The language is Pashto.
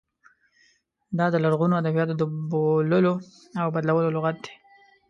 دا د لرغونو ادبیاتو د بوللو او بدلو لغت دی.